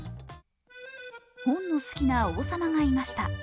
本の好きな王様がいました。